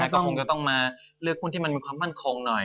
ก็คงจะต้องมาเลือกหุ้นที่มันมีความมั่นคงหน่อย